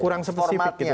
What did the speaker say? kurang spesifik gitu